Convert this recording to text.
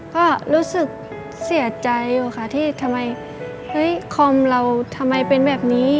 ก็รู้สึกเสียใจอยู่ค่ะที่ทำไมเฮ้ยคอมเราทำไมเป็นแบบนี้